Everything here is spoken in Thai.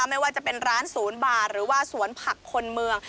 ไม่ว่าจะเป็นร้านศูนย์บาร์หรือว่าสวนผักคนเมือง